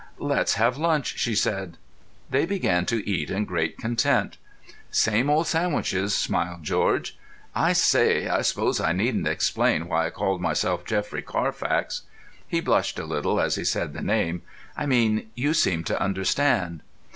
"Let's have lunch," she said. They began to eat in great content. "Same old sandwiches," smiled George. "I say, I suppose I needn't explain why I called myself Geoffrey Carfax." He blushed a little as he said the name. "I mean, you seem to understand."